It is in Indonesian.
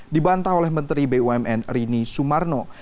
dibantah oleh menteri bumn rini sumarno